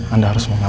anda harus paham